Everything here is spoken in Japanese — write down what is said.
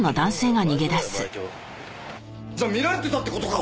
じゃあ見られてたって事か？